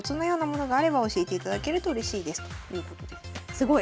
すごい。